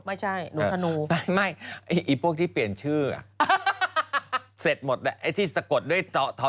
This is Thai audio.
ไม่เกิดกรกฏเนี่ย